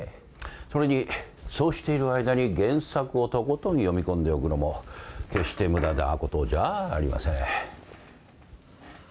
それにそうしている間に原作をとことん読み込んでおくのも決して無駄なことじゃあありません。